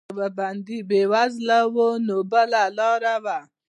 که به بندي بېوزلی و نو بله لاره وه.